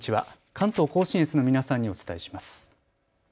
関東甲信越の皆さんにお伝えします。